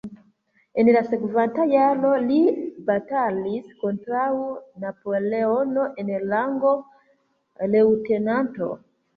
En la sekvanta jaro li batalis kontraŭ Napoleono en rango leŭtenanto.